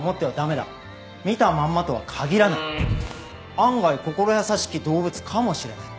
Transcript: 案外心優しき動物かもしれない。